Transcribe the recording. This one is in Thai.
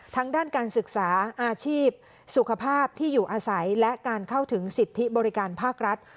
ทั้งด้านการศึกษาอาชีพสุขภาพที่อยู่อาศัยและการเข้าถึงสิทธิบริการภาครัฐ